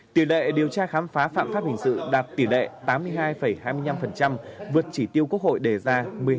tiểu đệ điều tra khám phá phạm pháp hình sự đạt tiểu đệ tám mươi hai hai mươi năm vượt chỉ tiêu quốc hội đề ra một mươi hai hai mươi năm